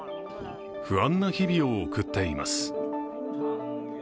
不安な日々を送っています。